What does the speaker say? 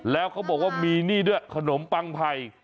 แล้วเขาบอกว่ามีขนมปังแผ่